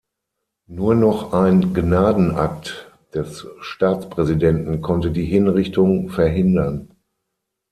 Nur noch ein Gnadenakt des Staatspräsidenten konnte die Hinrichtung verhindern.